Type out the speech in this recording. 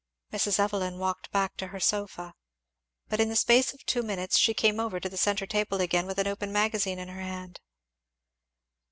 Mrs. Evelyn walked back to her sofa. But in the space of two minutes she came over to the centre table again, with an open magazine in her hand.